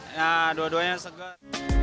nah dua duanya seger